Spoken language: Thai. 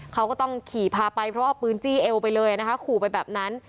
เขาก็ต้องขี่พาไปเพราะว่าเอาปืนจี้เอวไปเลยนะคะขู่ไปแบบนั้น